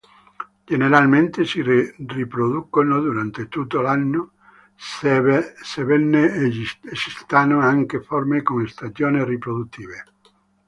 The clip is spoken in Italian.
Generalmente si riproducono durante tutto l'anno, sebbene esistano anche forme con stagioni riproduttive.